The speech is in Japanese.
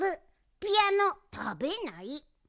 ピアノたべない。